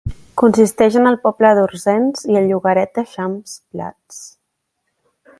Consisteix en el poble d'Orzens i el llogaret de Champs Plats.